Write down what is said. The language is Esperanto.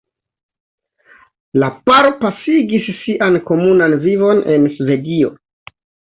La paro pasigis sian komunan vivon en Svedio.